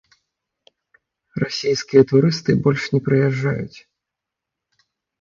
Расійскія турысты больш не прыязджаюць.